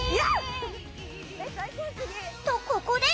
とここで！